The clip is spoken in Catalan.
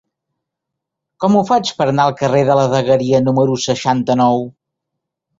Com ho faig per anar al carrer de la Dagueria número seixanta-nou?